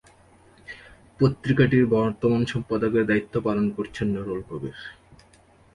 পত্রিকাটির বর্তমান সম্পাদকের দায়িত্ব পালন করছেন নুরুল কবির।